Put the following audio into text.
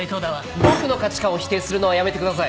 僕の価値観を否定するのはやめてください。